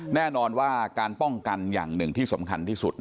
แน่นอนว่าการป้องกันอย่างหนึ่งที่สำคัญที่สุด